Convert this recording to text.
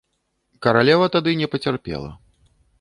Каралева тады не пацярпела.